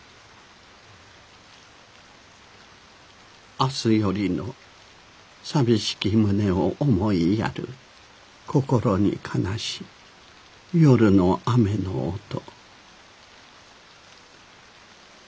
「あすよりの淋しき胸を思ひやる心に悲し夜の雨の音」。